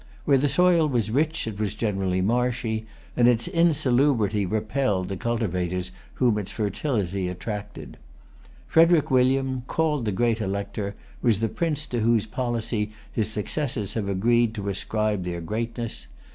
Where the soil was rich it was generally marshy, and its insalubrity repelled the cultivators whom its fertility attracted. Frederic William, called the Great Elector, was the prince to whose policy his successors have agreed to ascribe their greatness.